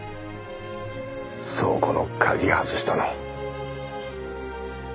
倉庫の鍵外したの。